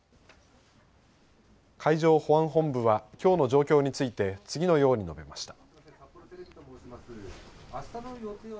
海上保安本部はきょうの状況について次のように述べました。